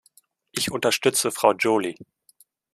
Ich unterstütze Frau Joly.